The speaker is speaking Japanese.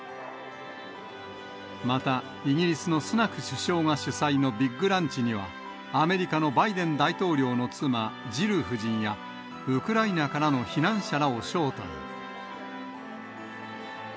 また、イギリスのスナク首相が主催のビッグランチにはアメリカのバイデン大統領の妻、ジル夫人や、ウクライナからの避難者らを招待。